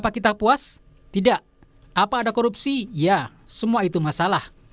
apa kita puas tidak apa ada korupsi ya semua itu masalah